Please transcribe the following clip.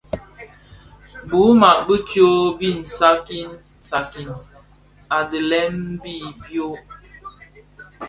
Biwuma bi tsog bin mbiň sakti sakti a dhilem bi byō.